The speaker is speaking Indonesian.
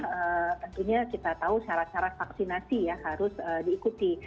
tentunya kita tahu syarat syarat vaksinasi ya harus diikuti